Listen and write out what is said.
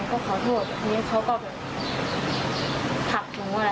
ก็ขอโทษเหมือนเขาก็แบบพับหนูไว้